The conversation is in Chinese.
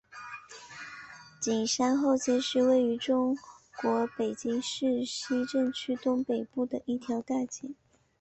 景山后街是位于中国北京市西城区东北部的一条大街。